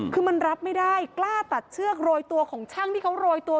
คือมันรับไม่ได้กล้าตัดเชือกโรยตัวของช่างที่เขาโรยตัว